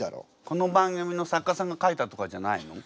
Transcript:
この番組の作家さんが書いたとかじゃないの？